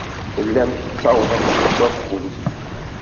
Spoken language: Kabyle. Tellam tettawḍem-d deg wakud.